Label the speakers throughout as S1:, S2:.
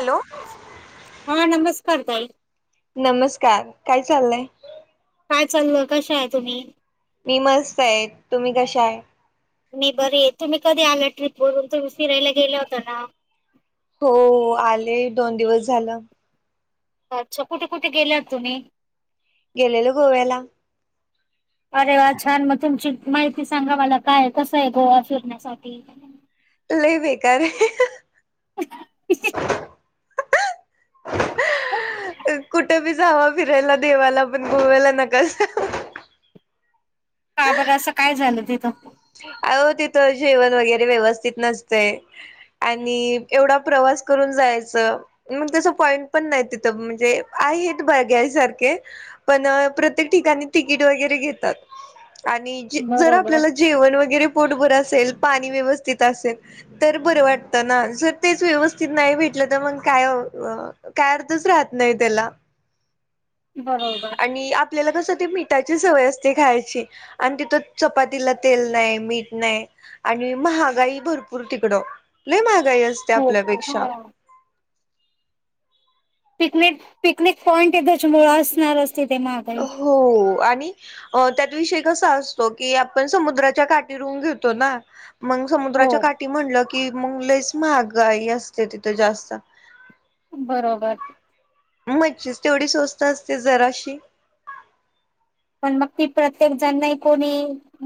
S1: Hello
S2: हा नमस्कार ताई!
S1: नमस्कार! काय चाललंय.
S2: काय चालूय कशा आहे तुम्ही?
S1: मी मस्त आहे. तुम्ही कशा आहे?
S2: मी बरी आहे. तुम्ही कधी आला ट्रिप वरून तुम्ही फिरायला गेला होता ना?
S1: हो आले दोन दिवस झालं.
S2: अच्छा कुठे कुठे गेलात तुम्ही?
S1: गेलेलो गोव्याला.
S2: अरे वा! छान मग तुमची माहिती सांगा मला काय कसं आहे गोवा फिरण्यासाठी
S1: लय बेकार आहे.
S2: [inaudible]
S1: कुठे बी जावा फिरायला देवाला पण गोव्याला नका जाऊ.
S2: का बरं असं काय झालं तिथं?
S1: आहों तिथं जेवण वगैरे व्यवस्थित नसते आणि एवढा प्रवास करून जायचं मग तस पॉईंट पण नाही तिथं म्हणजे आहेत बघण्यासारखे पण प्रत्येक ठिकाणी तिकीट वगैरे घेतात. आणि जर
S2: बरोबर
S1: आपल्याला वगैरे पोटभर असेल पाणी व्यवस्थित असेल तर बर वाटत ना जर तेच व्यवस्थित नाही भेटल तर मग काय काय अर्थच राहत नाही त्याला.
S2: बरोबर
S1: आणि आपल्याला कस मिठाची सवय असते खायची आणि तिथ चपातीला तेल नाही मीठ नाही आणि महागाई भरपूर तिकड लय महाग महागाई असते
S2: खूप
S1: आपल्यापेक्षा.
S2: पिकनिक पिकनिक पॉईंट आहे त्याच्यामुळ असणारच ना.
S1: हो आणि अ त्यात विषय कसा असतो की आपण समुद्राच्या काठी रूम घेतो नाय मग
S2: हो
S1: समुद्राच्या काठी म्हणलं की कि मग लच महागाई असते तिथं जास्त
S2: बरोबर
S1: मच्छीच तेवढी स्वस्थ असते जराशी
S2: पण मग ती प्रत्येक जण नाही कोणी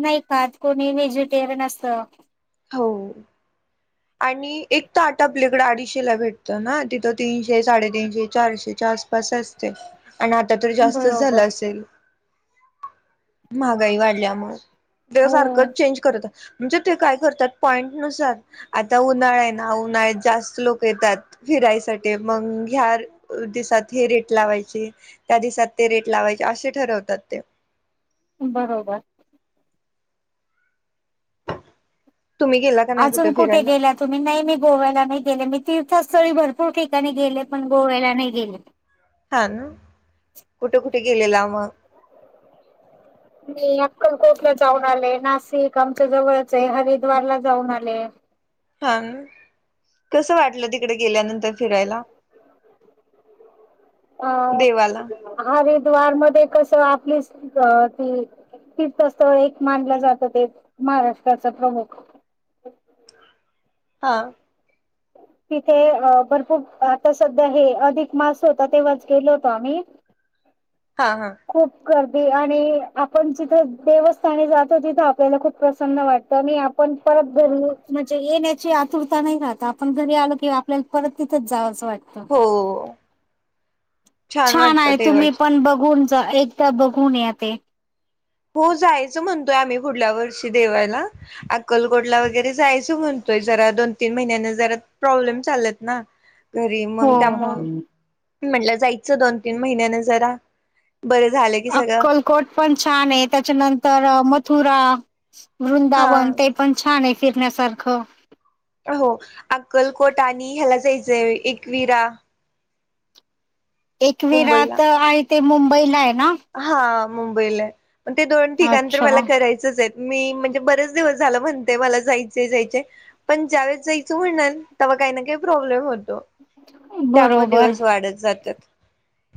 S2: नाही खात कोणी व्हेजिटेरियन असत
S1: हो आणि एक तर ताट आपल्याकडे अडीचशे ला भेटत ना तिथं तीनशे, साडेतीनशे, चारशेच्या आसपास असते. आणि आता तर जास्तच झाल
S2: बरोबर
S1: असेल. महागाई वाढल्यामुळे देव
S2: हो
S1: सारखच चेंज करतो. म्हणजे ते काय कर पॉईंट नुसार आता उन्हाळा आहे ना उन्हाळ्यात जास्त लोक येतात फिरायसाठी मग ह्या दिवसात हे रेट लावायची त्या दिसात ते रेट लावायचे असे ठरवतात ते
S2: बरोबर
S1: तुम्ही गेला का नाही
S2: अजून कुठे
S1: फिरायला
S2: गेला तुम्ही? नाही मी गोव्याला नाही गेले मी. तीर्थस्थळी भरपूर ठिकाणी गेले पण गोव्याला नाही गेले.
S1: हा ना कुठे कुठे गेलेला मग
S2: मी अक्कलकोटला जाऊन आले नाशिक आमच्या जवळच आहे हरिद्वारला जाऊन आले.
S1: हा कस वाटल तिकडे गेल्यानंतर फिरायला
S2: अ
S1: देवाला
S2: आपली तीर्थस्थ एक मानल जात ते महाराष्ट्राचा प्रमुख.
S1: हा
S2: तिथे अ भरपूर आता सध्या हे अधिक मास होता तेव्हाच गेलो होतो आम्ही
S1: हा हा
S2: खूप गर्दी आणि आपण जिथं देवस्थानी जातो तिथं आपल्याला आपण जिथे देवस्थानी जातो तिथ आपल्याला खूप प्रसन्न वाट आणि आपण परत घरी म्हणजे येण्याची आतुरता नाही राहत आपण घरी आलो किंवा आपल्याला परत तिथच जावस वाटत. हो हो छान
S1: वाटतं
S2: आहे. तुम्ही
S1: देवाचे
S2: पण बघून, एकदा बघून या ते
S1: हो जायचं म्हणतोय, आम्ही पुुढल्या वर्षी देवाला अक्कलकोटला वगैरे जायचं म्हणतोय. जरा दोन तीन महिन्यांना जरा प्रॉब्लेम चालत ना, घरी
S2: हो
S1: मग
S2: हो.
S1: त्यामुळे, म्हटलं जायचं दोन तीन महिन्यानं जरा, बरं झालं की सगळं
S2: अक्कलकोट पण छान आहेत. त्याच्यानंतर मथुरा,
S1: हा
S2: वृंदावन ते पण छान आहे. फिरण्यासारखं
S1: हो अक्कलकोट आणि ह्याला जायचंय एकविरा मुंबईला
S2: एकवीरात आहेत. ते मुंबईला आहे ना?
S1: हा मुंबईलाय ते दोन ठिकाण तर
S2: अच्छा
S1: मला करायचंच आहेत. मी म्हणजे बरेच दिवस झाला म्हणते मला जायचे जायचे पण ज्यावेेळेस जायचं म्हणणार तेव्हा काही ना काही प्रॉब्लेम होतो. त्यामुळे
S2: बरोबर
S1: दिवस वाढत जातात.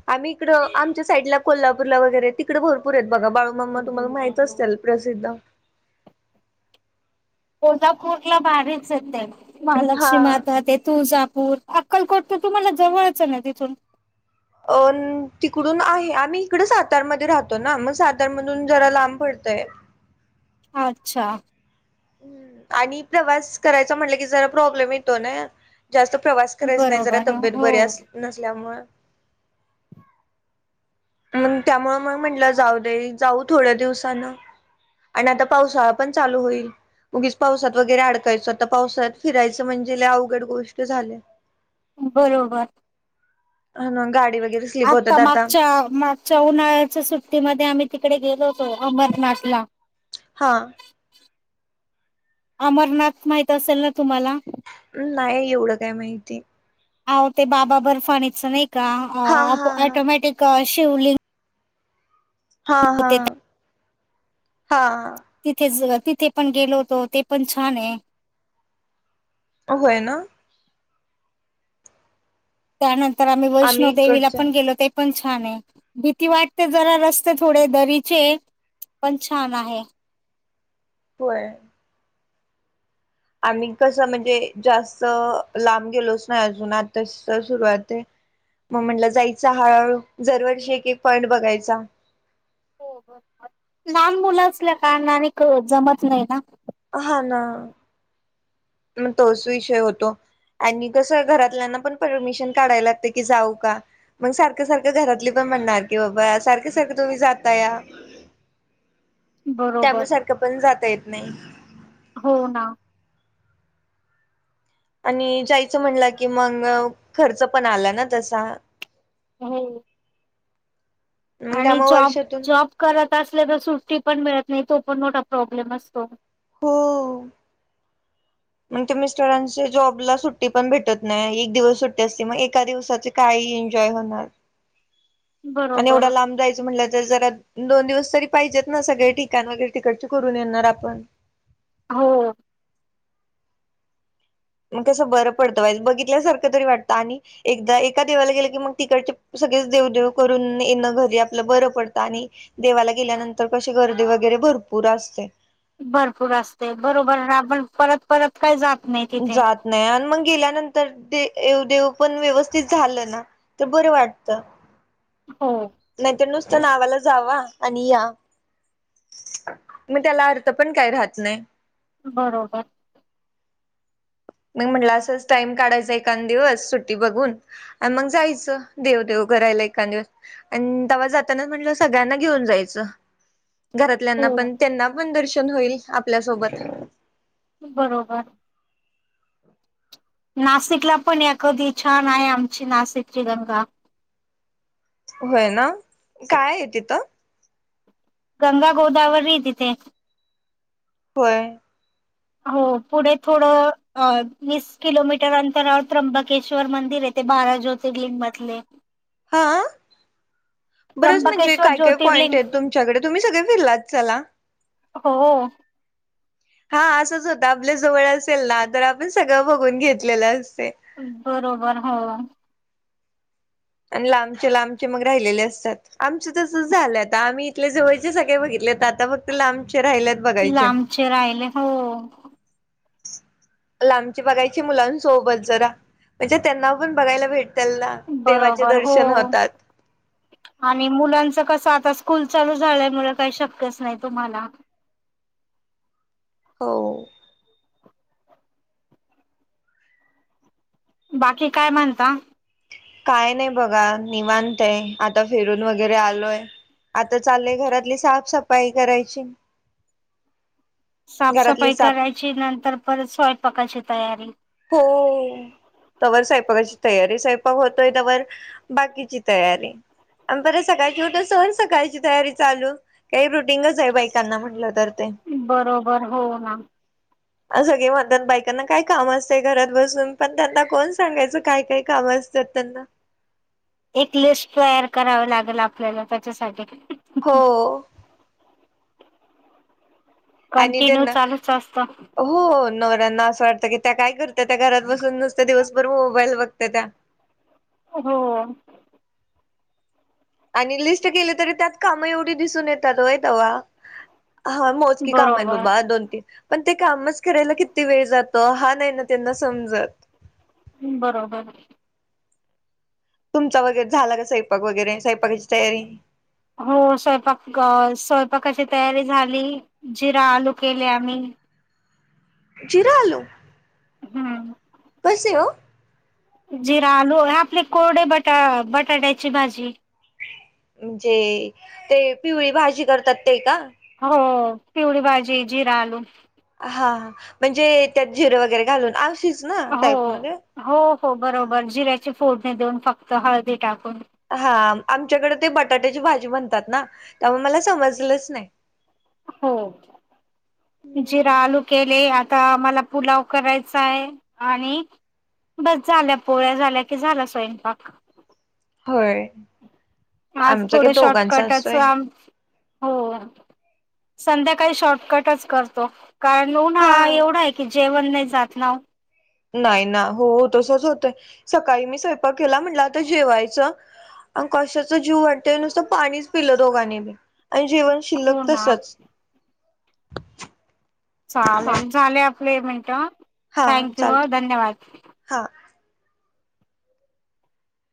S1: आम्ही इकडं आमच्या साईडला कोल्हापूरला वैगैरे तिकडे भरपूर आहेत. बघा बाळूमामा तुम्हाला माहित असतील प्रसिद्ध
S2: कोल्हापूर ला भारीच आहेच ते
S1: हा
S2: महालक्ष्मी माता ते तुळजा पूर अक्कलकोट तर तुम्हाला जवळचं ना तिथून
S1: अ तिकडून आहे आम्ही इकड सातारमध्ये राहतो ना मग सातारमधून जरा लांब पडतय.
S2: अच्छा
S1: आणि प्रवास करायचा म्हटलं की जरा प्रॉब्लेम येतो ना जास्त प्रवास करायच नाही जरा
S2: बरोबर
S1: तब्येत
S2: हो
S1: बरी नसल्यामुळे कारण त्यामुळे मग म्हंटलं जाऊ दे जाऊ थोड्या दिवसानं आणि आता पावसाळा पण चालू होईल उगीच पावसात वगैरे अडकायच आता पावसाळ्यात फिरायचं म्हणजे लय अवघड गोष्ट झाल्या.
S2: बरोबर
S1: हा ना गाडी वगैरे स्लीप
S2: आता
S1: होतात
S2: मागच्या मागच्या उन्हाळ्याच्या सुट्टीमध्ये आम्ही तिकडे गेलो होतो अमरनाथला
S1: हा
S2: अमरनाथ माहित असेल ना तुम्हाला,
S1: नाही एवढं काय माहिती,
S2: अहो ते बाबा बर्फानीच नाहि का का
S1: हा हा
S2: ऑटोमॅटिक शिवलिंग
S1: हा हा. हा
S2: तिथेच तिथे पण गेलो होतो ते पण छान आहे
S1: होय ना.
S2: त्या नंत तर आम्ही वैष्णोदेेवीला पण गेलो ते पण छान आहे भीती वाटते जरा रस्ते थोडे दरीचे पण छान आहे
S1: होय. आम्ही कसं म्हणजे जास्त लांब गेलोच ना अजून आता सुरुवात आहे मग म्हटलं जायच हळूहळू दर वर्षी एक एक पॉईंट बघायचा
S2: लहान मुलं असल्या का आणि जमत नाही ना
S1: हा ना. मग तोच विषय होतो आणि कस घरातल्यांना पण परमिशन काढायला लागते की जाऊ का मग सारखं सारखं घरातली पण म्हणणार की बाबा सारखं सारखं तुम्ही जाताया
S2: बरोबर
S1: त्यामुळेसारखं पण जाता येत नाही.
S2: हो ना.
S1: आणि जायचं म्हणलं की मग खर्च पण आला ना तसा
S2: हो.
S1: मग
S2: आणि
S1: त्यामुळे
S2: जॉब,
S1: वर्षातून
S2: जॉब करत असले तर सु्टी पण मिळत नाही तो पण मोठा प्रॉब्लेम असतो
S1: हो मग ते मिस्टरांच्या जॉबला सुट्टी पण भेटत नाही एक दिवस सुट्टी असते मग एका दिवसाचे काही एन्जॉय होणार आणि
S2: बरोबर
S1: एवढा लांब जायचं म्हटलं तर जरा दोन दिवस तरी पाहिजेत ना, सगळे ठिकाण वगैरे तिकडचे करून येणार आपण
S2: हो.
S1: मग कसं बरं पडतं वाईज बघितल्यासारखं तरी वाटतं आणि एकदा एका देवाला गेलं की मग तिकडचे सगळेच देव देेव करून येणं घरी आपलं बरं पडतं आणि देवाला गेल्यानंतर कशी गर्दी वगैरे भरपूर असते.
S2: भरपूर असते बरोबर आपण परत परत काय जात नाही तिथे
S1: जात नाही आणि मग गेल्यानंतरव देेव पण व्यवस्थित झालं ना तर बरं वाटत
S2: हो
S1: नाही तर नुस नावाला जावा आणि या मी त्याला अर्थ पण काय राहत नाही
S2: बरोबर.
S1: मग म्हटलं असंच टाइम काढायचा एकांन दिवस सुट्टी बघून आणि मग जायचं देव देव करायला एकांन दिवस आणि तेव्हा जातानाच म्हटलं सगळ्यांना घेऊन जायचं घरातल्याना
S2: हो
S1: पण त्यांना पण दर होईल आपल्यासोबत
S2: बरोबर. नाशिकला पण या कधी छान आहे आमची नाशिकची गंगा
S1: होय ना काय आहे तिथं
S2: गंगा गोदावरी तिथे
S1: होय.
S2: हो पुढे थोडं वीस किलोमीटर अंतरावर त्र्यंबकेश्वर मंदिर आहे ते बारा ज्योतिर्लिंग मधले
S1: हा. बरंच म्हणजे
S2: त्र्यंबकेश्वर
S1: काय काय, पॉइंट
S2: ज्योतिर्लिंग
S1: आहेत तुमच्याकडे तुम्ही सगळे फिरलात चला-
S2: हो.
S1: हा. असंच होत आपल्या जवळ असेल ना तर आपण सगळं बघून घेतलेलं असते.
S2: बरोबर. हो.
S1: आणि लांबचे लांबचे मग राहिलेले असतात. आमच तसच झालं आता, आम्ही इथल्या जवळचे सगळे बघितले आता फक्त लांब-
S2: लांबचे राहिले हो.
S1: लांबचे बघायचे मुलां सोबत जरा, म्हणजे त्यांना पण बघायला भेट-
S2: बरोबर, हो. आणि मुलांच कस? आता स्कूल चालू झाल्यामुळे काही शक्यच नाही तुम्हाला.
S1: हो.
S2: बाकी काय म्हणता?
S1: काय नाही बघा निवांतय. आता फिरून वगैरे आलोय. आता चाललंय घरातली साफसफाई करायची. घरातली
S2: साफसफाई
S1: साफ
S2: करायची नंतर परत स्वयंपाकाची - तयारी-
S1: हो- तवर स्वयंपाकाची तयारी. स्वयंपाक होतोय तवर बाकीची तयारी आणि परे सकाळची होत सहन सकाळची तयारी चालू काही रुटीनच आहे बाईकांना म्हटलं तर -
S2: बरोबर. हो ना.
S1: अन सगळे म्हणतात बायकांना काय काम अस- घरात बसून. पण त्यांना कोण सांगायचं? काय काय काम असतात त्यांना.
S2: एक लिस्ट तयार कराव लागेल आपल्याला त्याच्यासाठी-
S1: हो आणि
S2: कंटिन्यू
S1: त्यांना
S2: चालूच असत.
S1: हो नवऱ्यांना असं वाटतं की त्या काय करता? त्या घरात बसून नुसत दिवसभर मोबाईल बघता त्या.
S2: हो.
S1: आणि लिस्ट केले तरी त्यात काम एवढी दिसून येतातय ते वा- हा मोजकी काम आहे
S2: बरोबर
S1: बाबा दोन तीन पण- ते कामच करायला किती वेळ जातो. हा नाही ना त्यांना समजत-
S2: ् बरोबर.
S1: तुमचा वगैरे झाला का स्वयपाक वगैरे, स्वैपाकाची तयारी?
S2: हो स्वयंपाक स्वयंपाकाची तयारी झाली. जिरा आलू केले आम्ही.
S1: जिरा आलू?
S2: हम्म.
S1: कसे हो?
S2: जिरा आलू आपले कोरडे बटा बटाट्याची भाजी.
S1: म्हणजे -ते पिवळी भाजी करतात ते का?
S2: हो पिवळी भाजी जिरा आलू.
S1: हा. म्हणजे त्यात जिर वगैरे घालून- ना
S2: हो
S1: टाईप मध्ये?
S2: हो हो
S1: हा.
S2: बरोबर जिऱ्याची फोडणी देऊन फक्त हळदी टाकून.
S1: हा आमच्याकडे ते बटाट्याची भाजी म्हणतात ना त्यामुळे मला समजलंच नाही.
S2: हो. जिरा आलू केले, आता मला पुलाव- करायचाय आणि बस झाल्या पोळ्या झाल्या की झाला स्वयंपाक.
S1: होय.
S2: आज
S1: आमचा
S2: थोडं
S1: काही दोघांचा
S2: शॉर्टकटच
S1: असतोय
S2: आ हो संध्याकाळी शॉर्टकटच करतो. कारण उन्हाळा
S1: हा
S2: एवढा आहे की जेवण नाही जा जात नाव.
S1: नाही ना हो तसच होतेयं सकाळी मी स्वयंपाक केला म्हटलं आता जेवायचं कशाच जेऊ वाटतय नुसतं पाणीच पिलं दोघांनी बी आणि जेवण
S2: हो
S1: शिल्लक
S2: ना
S1: तसच. [unintelligible]
S2: चालेल झाले आप ले म्हनट
S1: हा
S2: थँक यू हम्म
S1: चालत
S2: धन्यवाद.
S1: हा